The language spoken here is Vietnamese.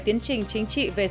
tiến trình chính trị về syri